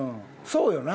そうよな。